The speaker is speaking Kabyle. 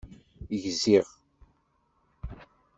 Gziɣ!